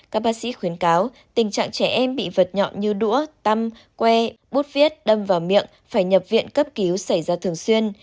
các bác sĩ khuyến cáo tình trạng trẻ em bị vật nhọn như đũa tâm que bút viết đâm vào miệng phải nhập viện cấp cứu xảy ra thường xuyên